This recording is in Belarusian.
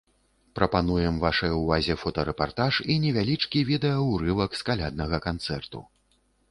Прапануем вашай увазе фотарэпартаж і невялічкі відэа-ўрывак з каляднага канцэрту.